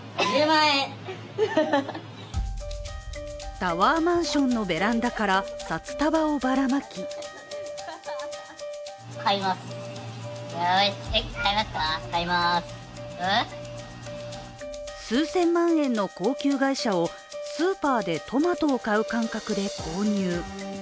タワーマンションのベランダから札束をばらまき数千万円の高級外車をスーパーでトマトを買う感覚で購入。